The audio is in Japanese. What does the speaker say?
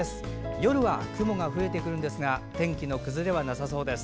夜は雲が増えてくるんですが天気の崩れはなさそうです。